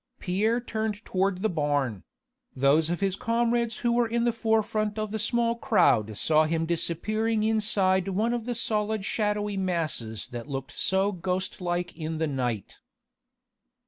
Pierre turned toward the barn: those of his comrades who were in the forefront of the small crowd saw him disappearing inside one of those solid shadowy masses that looked so ghostlike in the night.